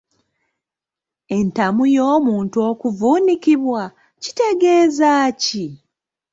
Entamu y'omuntu okuvuunikibwa kitegeeza ki?